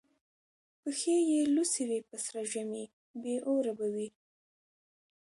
پښې به یې لوڅي وي په سره ژمي بې اوره به وي